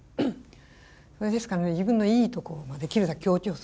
それですから自分のいいところをできるだけ強調すると。